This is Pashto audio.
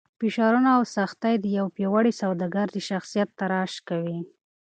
فشارونه او سختۍ د یو پیاوړي سوداګر د شخصیت تراش کوي.